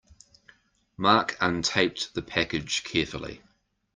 Mark untaped the package carefully.